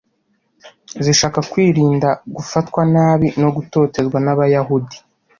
zishaka kwirinda gufatwa nabi no gutotezwa n’Abayahudi.